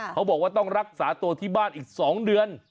เขาบอกว่าต้องรักษาตัวที่บ้านอีก๒เดือน